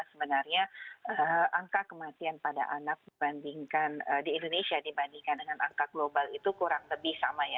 sebenarnya angka kematian pada anak dibandingkan di indonesia dibandingkan dengan angka global itu kurang lebih sama ya